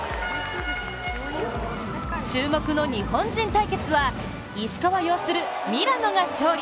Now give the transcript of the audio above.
注目の日本人対決は石川擁するミラノが勝利。